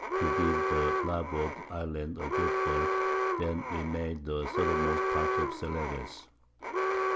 to give the Larboard Islands a good Birth; then we made the Southermost Part of Celebes.